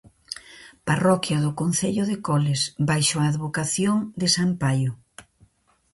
Parroquia do concello de Coles baixo a advocación de san Paio.